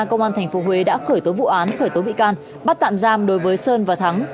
công an tp huế đã khởi tố vụ án khởi tố bị can bắt tạm giam đối với sơn và thắng